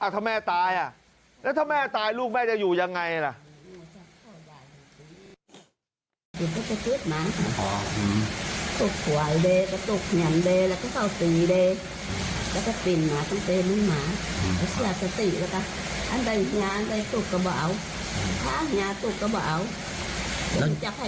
ถ้าแม่ตายอ่ะแล้วถ้าแม่ตายลูกแม่จะอยู่ยังไงล่ะ